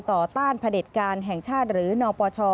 ต้านพระเด็จการแห่งชาติหรือนปช